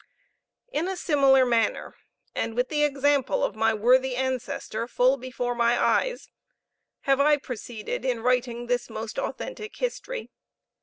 In a similar manner, and with the example of my worthy ancestor full before my eyes, have I proceeded in writing this most authentic history.